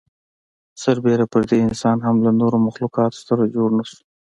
سر بېره پر دې انسان هم له نورو مخلوقاتو سره جوړ نهشو.